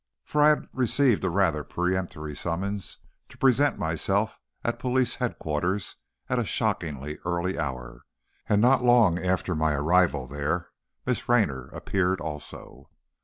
For I received a rather peremptory summons to present myself at police headquarters at a shockingly early hour, and not long after my arrival there, Miss Raynor appeared also.